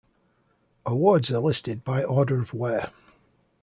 Awards are listed by order of wear.